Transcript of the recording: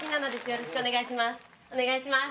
よろしくお願いします。